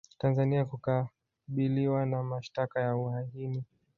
Tanzania kukabiliwa na mashtaka ya uhaini